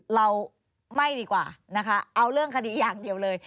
เราไม่ดีกว่านะคะเอาเรื่องคดีอย่างเดียวเลย